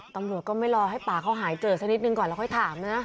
ตำรวจก็ไม่รอให้ป่าเขาหายเจอสักนิดนึงก่อนแล้วค่อยถามนะ